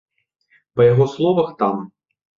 Па яго словах, там.